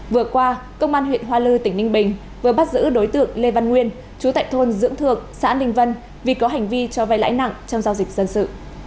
vừa qua công an huyện hoa lư tỉnh ninh bình vừa bắt giữ đối tượng lê văn nguyên chú tại thôn dưỡng thượng xã ninh vân vì có hành vi cho vay lãi nặng trong giao dịch dân sự